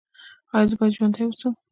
ایا زه باید ژوندی اوسم؟